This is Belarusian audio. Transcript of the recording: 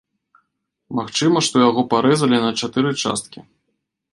Магчыма, што яго парэзалі на чатыры часткі.